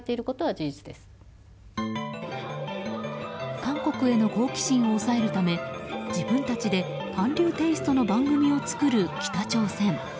韓国への好奇心を抑えるため自分たちで韓流テイストの番組を作る北朝鮮。